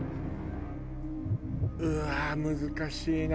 うわあ難しいな！